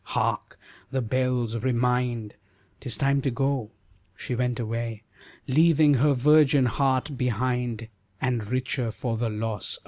Hark! The bells remind 'Tis time to go, she went away, Leaving her virgin heart behind, And richer for the loss.